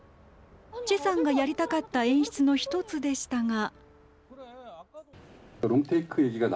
チェさんがやりたかった演出の１つでしたが。